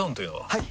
はい！